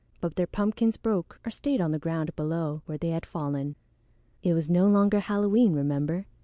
But their pumpkins broke or stayed on the ground below where they had fallen (it was no longer Halloween, remember).